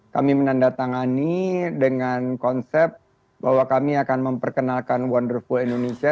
kami menandatangani dengan konsep bahwa kami akan memperkenalkan wonderful indonesia